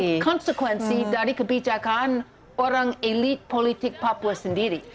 ini konsekuensi dari kebijakan orang elit politik papua sendiri